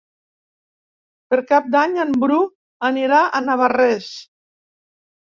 Per Cap d'Any en Bru anirà a Navarrés.